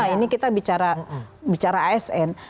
ini kita bicara asn